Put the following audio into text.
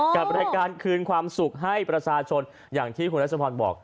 กับรายการคืนความสุขให้ประชาชนอย่างที่คุณรัชพรบอก